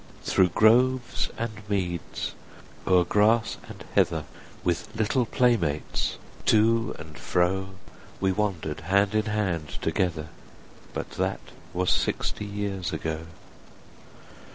Through groves and meads, o'er grass and heather, 5 With little playmates, to and fro, We wander'd hand in hand together; But that was sixty years ago.